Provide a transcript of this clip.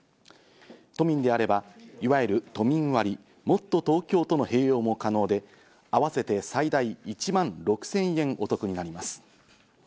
都民であれば、いわゆる都民割・もっとＴｏｋｙｏとの併用も可能で、合わせて最大１万６０００円お得になります。